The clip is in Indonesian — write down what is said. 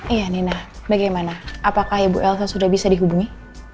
iya nina bagaimana apakah ibu elsa sudah bisa dihubungi